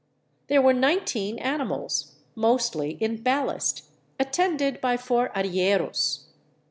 There were nineteen animals, mostly in ballast, attended by four arrieros.